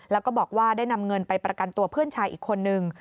แล้วก็บอกว่าได้นำเงินไปประกันตัวเพื่อนชายอีกคนนึง